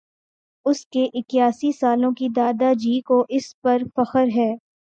اُس کے اِکیاسی سالوں کے دادا جی کو اُس پر فخر ہے